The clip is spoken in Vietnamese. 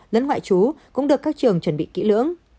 lẫn ngoại chú cũng được các trường chuẩn bị kỹ lưỡng